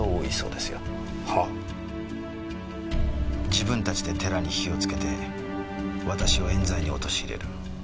自分たちで寺に火をつけて私を冤罪に陥れる。